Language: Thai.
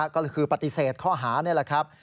ก็คือปฏิเสธข้อหานี่แหละครับ